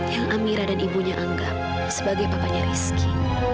yang amira dan ibunya anggap sebagai papanya rizky